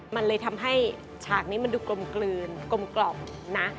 มันเลยทำให้ฉากนี้มันดูกลมกลืนกลมนะ